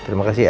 terima kasih ya